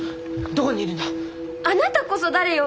あなたこそ誰よ！